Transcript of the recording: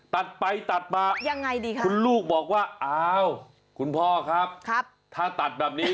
ตัดไปตัดมายังไงดีคะคุณลูกบอกว่าอ้าวคุณพ่อครับถ้าตัดแบบนี้